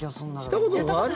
したことがある？